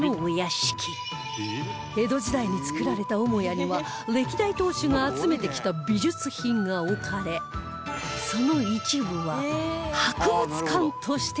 江戸時代に造られた母屋には歴代当主が集めてきた美術品が置かれその一部は博物館として展示されていますが